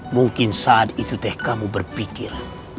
mungkin saat itu teh kamu berpikir